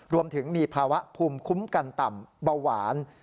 รวมถึงมีภาวะภูมิคุ้มกันต่ำเบาหวาน